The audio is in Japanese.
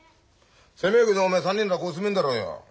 狭えけどおめえ３人ならここ住めんだろうよ。